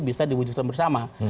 bisa diwujudkan bersama